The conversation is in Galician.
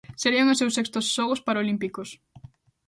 Serían os seus sextos xogos parolímpicos.